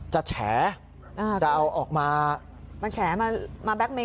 จะแฉะจะเอาออกมา